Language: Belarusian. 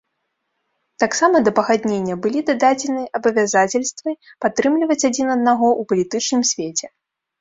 Таксама да пагаднення былі дададзены абавязацельствы падтрымліваць адзін аднаго ў палітычным свеце.